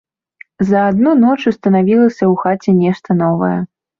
За адну ноч устанавілася ў хаце нешта новае.